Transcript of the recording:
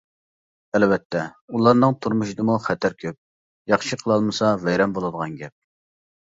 ئەلۋەتتە، ئۇلارنىڭ تۇرمۇشىدىمۇ خەتەر كۆپ، ياخشى قىلالمىسا ۋەيران بولىدىغان گەپ.